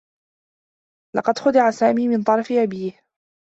لقد خُدع سامي من طرف أبيه.